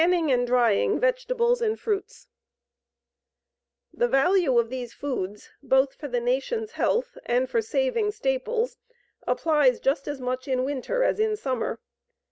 CANNING AND DRYING VEGETABLES AND FRUITS The value of these foods both for the nation's health and for saving staples applies just as much in winter as in summer.